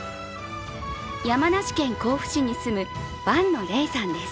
山梨県甲府市に住む伴野嶺さんです。